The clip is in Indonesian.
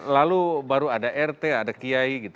lalu baru ada rt ada kiai gitu